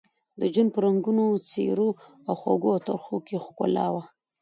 د ژوند په رنګونو، څېرو او خوږو او ترخو کې ښکلا وه.